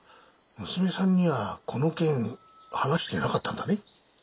娘さんにはこの件話してなかったんだね。